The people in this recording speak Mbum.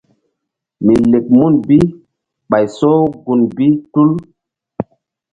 Mi lek mun bi ɓay so gun bi tul.